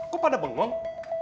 kok pada bengong